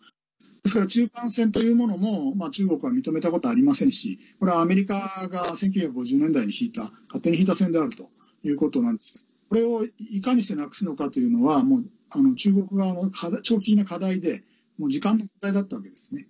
ですから中間線というものも中国は認めたことありませんしこれはアメリカが１９５０年代に勝手に引いた線であるということなんですがこれをいかにしてなくすのかというのは中国側の長期的な課題で時間の問題だったわけですね。